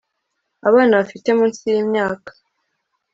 abana bafite munsi y'imyaka